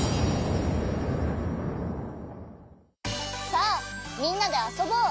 さあみんなであそぼう！